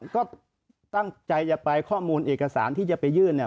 ก็ตั้งใจจะไปข้อมูลเอกสารที่จะไปยื่นเนี่ย